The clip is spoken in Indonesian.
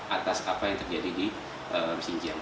atas apa yang terjadi di xinjiang